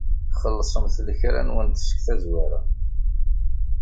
Xellṣemt lekra-nwent seg tazwara.